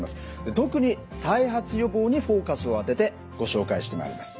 特に再発予防にフォーカスを当ててご紹介してまいります。